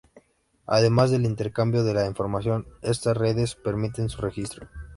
Además del intercambio de la información, estas redes permiten su registro.